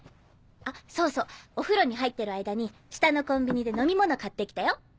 あっそうそうお風呂に入ってる間に下のコンビニで飲み物買って来たよ。